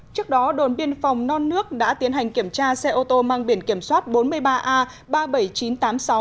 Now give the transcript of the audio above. trước đó đồn biên phòng non nước đã tiến hành kiểm tra xe ô tô mang biển kiểm soát bốn mươi ba a ba mươi bảy nghìn chín trăm tám mươi sáu